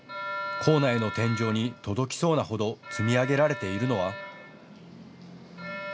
構内の天井に届きそうなほど積み上げられているのは。